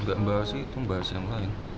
juga membahas itu membahas yang lain